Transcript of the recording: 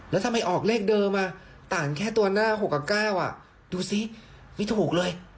แล้วทำไมออกเลขเดิมต่างแค่ตัวหน้า๖กับ๙ดูซิไม่ถูกเลย